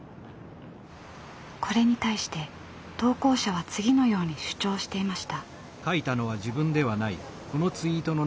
これに対して投稿者は次のように主張していました。